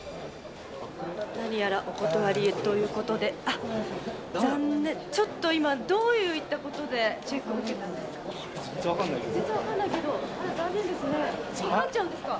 何やらお断りということで、残念、ちょっと今、どういったことでチェックを受けたんですか？